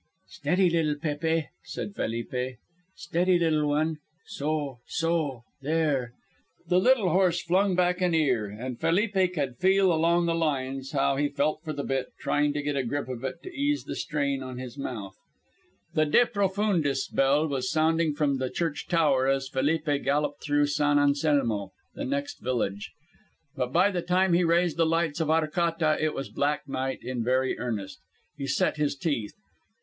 "Steady, little Pépe," said Felipe; "steady, little one. Soh, soh. There." The little horse flung back an ear, and Felipe could feel along the lines how he felt for the bit, trying to get a grip of it to ease the strain on his mouth. The De Profundis bell was sounding from the church tower as Felipe galloped through San Anselmo, the next village, but by the time he raised the lights of Arcata it was black night in very earnest. He set his teeth.